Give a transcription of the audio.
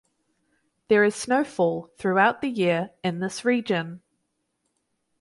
There is snowfall throughout the year in this region.